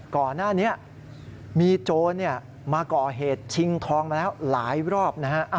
ก่อนหน้านี้มีโจรมาก่อเหตุชิงทองมาแล้วหลายรอบนะฮะ